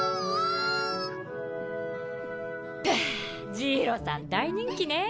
ジイロさん大人気ねぇ。